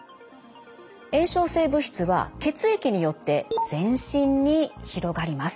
炎症性物質は血液によって全身に広がります。